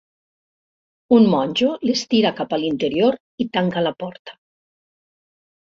Un monjo l'estira cap a l'interior i tanca la porta.